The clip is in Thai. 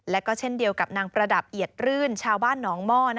และก็เช่นเดียวกับนางประดับเอียดรื่นชาวบ้านหนองหม้อ